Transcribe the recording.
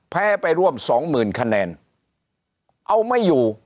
แพ้ไปร่วม๒๐๐๐๐คะแนนเอาไม่อยู่